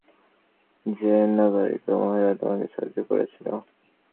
যে নগারিগো মহিলা তোমাকে সাহায্য করেছিল।